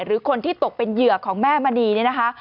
หรือคนที่ตกเป็นเหยื่อของแม่มณีเนี่ยนะคะ